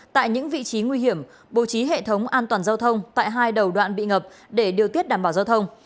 tại những vị trí nguy hiểm bố trí hệ thống an toàn giao thông tại hai đầu đoạn bị ngập để điều tiết đảm bảo giao thông